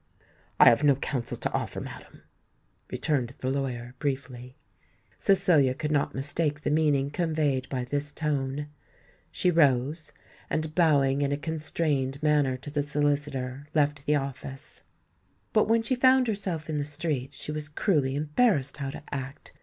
"I have no counsel to offer, madam," returned the lawyer, briefly. Cecilia could not mistake the meaning conveyed by this tone. She rose; and bowing in a constrained manner to the solicitor, left the office. But when she found herself in the street, she was cruelly embarrassed how to act.